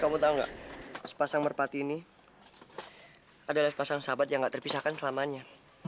kamu tahu nggak sepasang merpati ini adalah sepasang sahabat yang gak terpisahkan selamanya